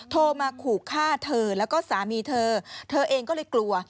โทรมาขู่ฆ่าเธอแล้วก็สามีเธอเธอเองก็เลยกลัว